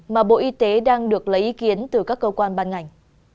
mà bộ y tế đang được lấy ý kiến từ các cơ quan ban ngành